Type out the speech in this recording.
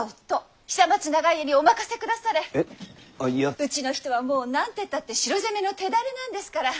うちの人はもうなんてったって城攻めの手だれなんですから！